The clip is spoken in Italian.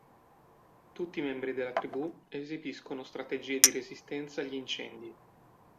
Tutti i membri della tribù esibiscono strategie di resistenza agli incendi.